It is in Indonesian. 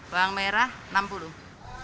bawang merah rp enam puluh